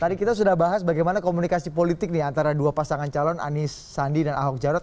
tadi kita sudah bahas bagaimana komunikasi politik nih antara dua pasangan calon anies sandi dan ahok jarot